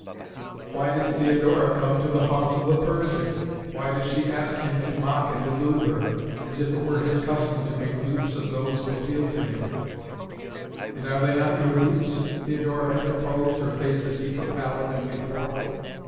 "Why does Theodora come to the haunts of the Persian? Why does she ask him to mock and delude her, as if it were his custom to make dupes of those who appeal to him?" "And are they not your dupes?" Theodora interposed, her face a deeper pallor than before.